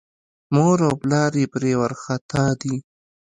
مور او پلار یې پرې وارخطا دي.